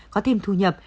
có thêm thu nhập